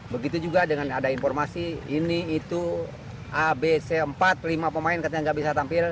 begitu juga dengan ada informasi ini itu abc empat puluh lima pemain katanya nggak bisa tampil